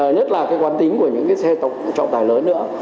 nhất là cái quán tính của những cái xe trọng tài lớn nữa